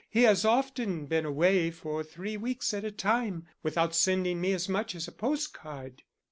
He has often been away for three weeks at a time without sending me as much as a postcard."